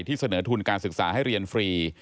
เสนอทุนการศึกษาให้เรียนฟรี